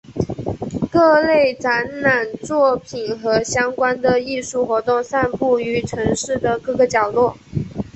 各类展览作品和相关的艺术活动散布于城市的各个角落。